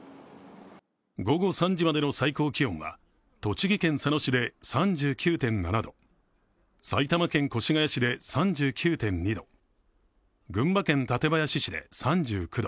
午後３時までの最高気温は栃木県佐野市で３９．７度、埼玉県越谷市で３９．２度、群馬県館林市で３９度。